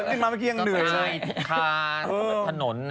เดินอื่นมาเมื่อกี้อย่างเหนื่อยใช่ไหมก็เต้าอันดีทำของถนน